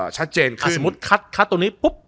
ชัดเจนขึ้น